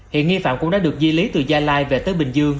hiện nghi phạm cũng đã được di lý từ gia lai về tới bình dương